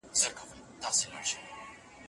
په فریاد یې وو پر ځان کفن څیرلی